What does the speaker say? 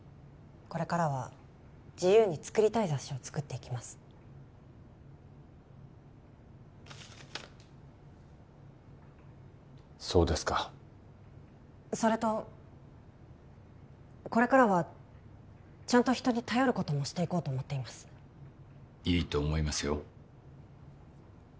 これからは自由に作りたい雑誌を作っていきますそうですかそれとこれからはちゃんと人に頼ることもしていこうと思っていますいいと思いますよ